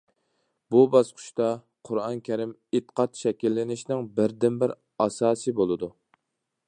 بۇ باسقۇچتا «قۇرئان كەرىم» ئېتىقاد شەكىللىنىشنىڭ بىردىنبىر ئاساسىي بولىدۇ.